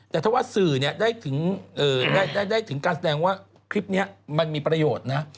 แต่ถ้าว่าสื่อได้ถึงการแสดงว่าคลิปนี้มันมีประโยชน์นะ